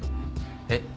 えっ？